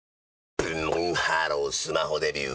ブンブンハロースマホデビュー！